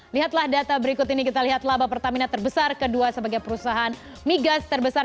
lihatlah data berikut ini kita lihat laba pertamina terbesar kedua sebagai perusahaan migas terbesar